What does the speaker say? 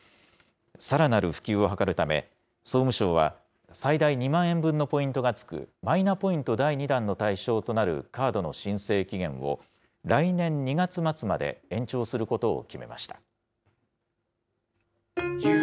さらなる普及を図るため、総務省は、最大２万円分のポイントがつく、マイナポイント第２弾の対象となるカードの申請期限を、来年２月末まで延長することを決めました。